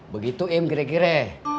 begitu im kira kira